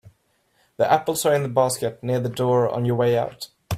The apples are in the basket near the door on your way out.